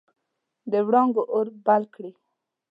د وړانګو اور بل کړي